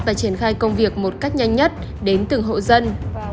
và triển khai công việc một cách nhanh nhất đến từng hộ dân